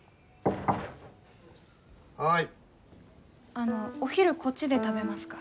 あのお昼こっちで食べますか？